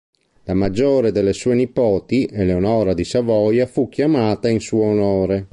La maggiore delle sue nipoti, Eleonora di Savoia, fu chiamata in suo onore.